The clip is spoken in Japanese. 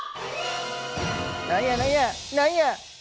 「何や何や何や！」。